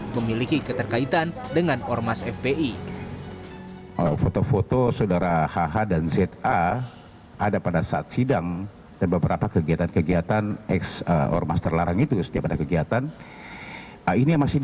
memiliki keterkaitan dengan ormas fpi